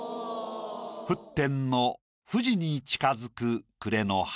「沸点の富士に近づく暮れの春」。